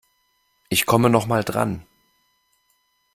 Ich komme noch mal dran.